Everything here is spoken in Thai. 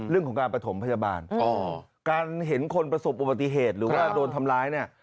เรื่องของการประถมพยาบาลการเห็นคนประสบอุบัติเหตุหรือว่าโดนทำร้ายเนี่ย